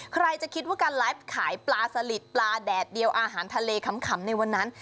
ใครจะคิดว่าการไลฟ์ขายปลาสลิดปลาแดดเดียวอาหารทะเลขำในวันนั้น